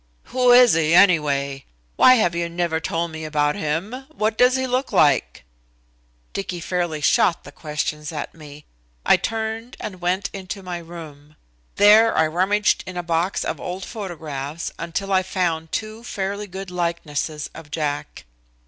"Who is he, anyway? Why have you never told me about him? What does he look like?" Dicky fairly shot the questions at me. I turned and went into my room. There I rummaged in a box of old photographs until I found two fairly good likenesses of Jack.